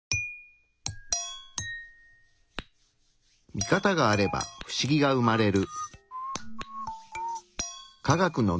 ミカタがあればフシギが生まれる。